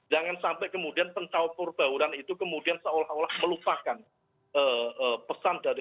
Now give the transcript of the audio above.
jangan sampai kemudian pencautur bauran itu kemudian seolah olah melupakan pesan dari